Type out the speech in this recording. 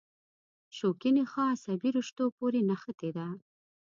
شوکي نخاع عصبي رشتو پورې نښتې ده.